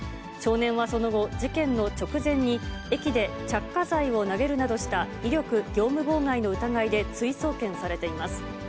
少年はその後、事件の直前に駅で着火剤を投げるなどした威力業務妨害の疑いで追送検されています。